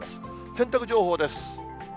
洗濯情報です。